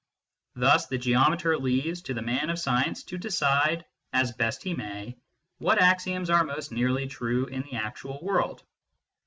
Thus the geometer leaves to the man of science to decide, as best he may, what axioms are most nearly true in the actual world.